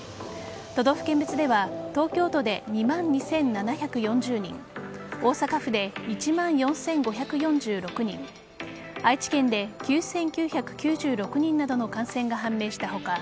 都道府県別では東京都で２万２７４０人大阪府で１万４５４６人愛知県で９９９６人などの感染が判明した他